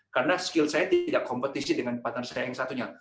karena kemisi saya tidak kompetisi dengan partner saya yang satunya